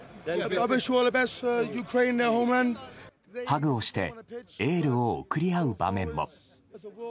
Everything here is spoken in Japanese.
ハグをしてエールを送り合う場面も。